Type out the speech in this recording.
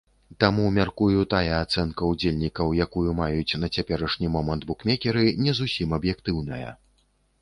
Таму, мяркую, тая ацэнка ўдзельнікаў, якую маюць на цяперашні момант букмекеры, не зусім аб'ектыўная.